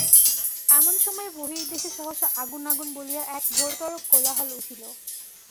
এমন সময়ে বহির্দেশে সহসা আগুন– আগুন বলিয়া এক ঘোরতর কোলাহল উঠিল।